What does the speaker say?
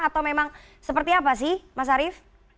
atau memang seperti apa sih mas arief